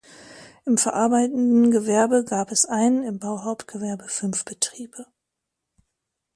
Im verarbeitenden Gewerbe gab es einen, im Bauhauptgewerbe fünf Betriebe.